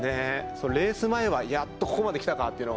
レース前はやっとここまで来たかと。